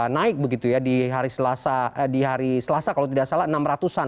naik begitu ya di hari selasa kalau tidak salah enam ratus an